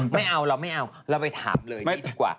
ไม่เอาเราไม่เอาเราไปถามเลยดีกว่า